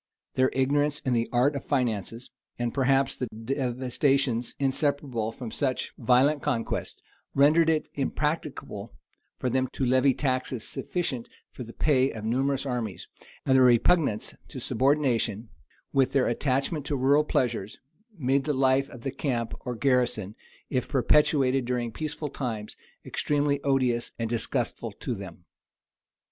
Their ignorance in the art of finances, and perhaps the devastations inseparable from such violent conquests, rendered it impracticable for them to levy taxes sufficient for the pay of numerous armies; and their repugnance to subordination, with their attachment to rural pleasures, made the life of the camp or garrison, if perpetuated during peaceful times, extremely odious and disgustful to them.